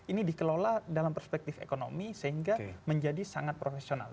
ini dikelola dalam perspektif ekonomi sehingga menjadi sangat profesional